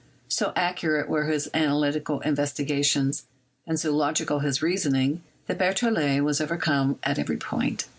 So accurate were his analytical in vestigations, and so logical his reasoning, that Berthollet was overcome at every point.